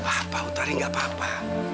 gak apa apa uthari gak apa apa